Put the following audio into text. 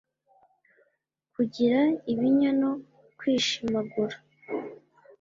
kugira ibinya no kwishimagura